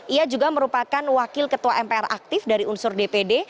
ia juga merupakan wakil ketua mpr aktif dari unsur dpd